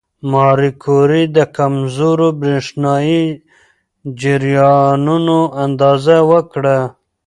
ماري کوري د کمزورو برېښنايي جریانونو اندازه وکړه.